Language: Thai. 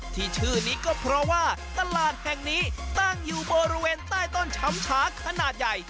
ที่ชื่อนี้ก็เพราะว่าตลาดแห่งนี้ตั้งอยู่บริเวณใต้ต้นช้ำชาขนาดใหญ่